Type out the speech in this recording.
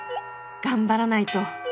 頑張らないと。